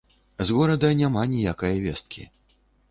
З горада няма ніякае весткі.